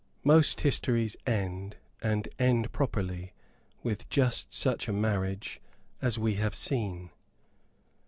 Most histories end, and end properly, with just such a marriage as we have seen.